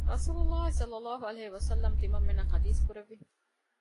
ރަސޫލު ﷲ ﷺ ތިމަންމެންނަށް ޙަދީޘް ކުރެއްވި